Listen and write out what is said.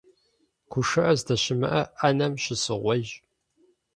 ГушыӀэ здэщымыӀэ Ӏэнэм щысыгъуейщ.